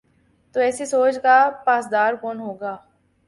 تو ایسی سوچ کا پاسدار کون ہو گا؟